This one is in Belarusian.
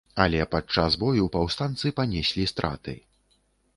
Але падчас бою паўстанцы панеслі страты.